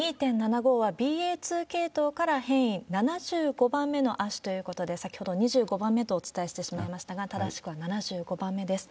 このＢＡ．２．７５波、ＢＡ．２系統から変異、７５番目の亜種ということで、先ほど２５番目とお伝えしてしまいましたが、正しくは７５番目です。